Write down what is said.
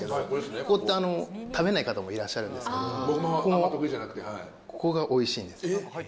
ここって食べない方もいらっしゃるんですけど、ここがおいしいんです。